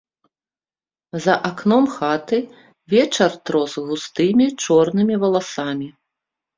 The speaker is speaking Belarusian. За акном хаты вечар трос густымі чорнымі валасамі.